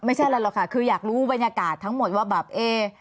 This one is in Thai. ไม่ใช่อะไรหรอกค่ะคืออยากรู้บรรยากาศทั้งหมดว่าแบบเอ๊